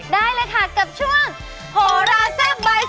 ได้เลยค่ะกับช่วงโหลาซับบายซินแสโจ๊ก